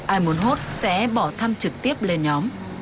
ai muốn hốt sẽ bỏ thăm trực tiếp lên nhóm